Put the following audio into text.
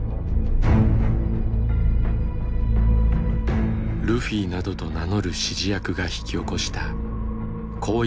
ルフィなどと名乗る指示役が引き起こした広域強盗事件。